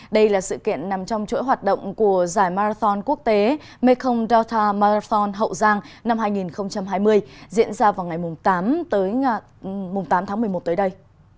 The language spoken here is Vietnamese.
đây là sự kiện nằm trong chuỗi hoạt động của giải marathon quốc tế mekong delta marathon hậu giang năm hai nghìn hai mươi diễn ra vào ngày tám tới tám tháng một mươi một tới đây